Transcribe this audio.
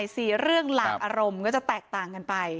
สี่เรื่องหลากอารมณ์ก็จะแตกต่างกันไป